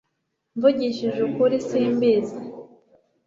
mvugishije ukuri simbizi